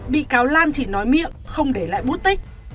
bị cáo lan chỉ nói miệng không để lại bút tích